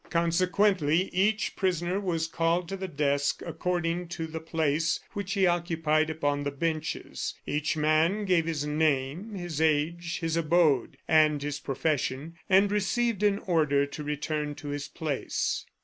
Consequently, each prisoner was called to the desk according to the place which he occupied upon the benches. Each man gave his name, his age, his abode, and his profession, and received an order to return to his place.